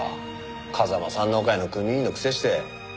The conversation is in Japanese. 風間燦王会の組員のくせして。